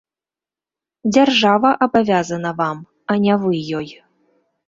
Дзяржава абавязана вам, а не вы ёй.